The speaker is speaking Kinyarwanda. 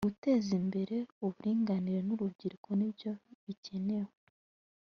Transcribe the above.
guteza imbere uburinganire n ‘urubyiruko nibyo bikenewe.